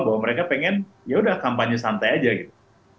bahwa mereka pengen yaudah kampanye santai aja gitu